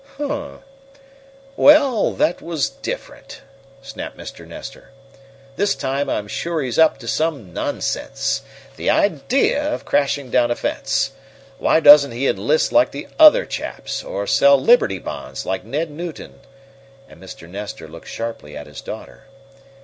"Hum! Well, that was different," snapped Mr. Nestor. "This time I'm sure he's up to some nonsense! The idea of crashing down a fence! Why doesn't he enlist like the other chaps, or sell Liberty Bonds like Ned Newton?" and Mr. Nestor looked sharply at his daughter.